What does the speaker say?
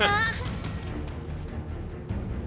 เย่